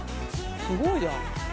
すごいじゃん。